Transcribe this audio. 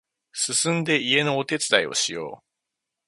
すすんで家のお手伝いをしよう